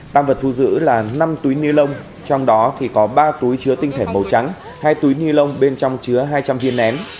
tăng vật thu giữ là năm túi nilon trong đó có ba túi chứa tinh thể màu trắng hai túi nilon bên trong chứa hai trăm linh viên nén